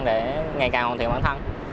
để ngày càng hoàn thiện bản thân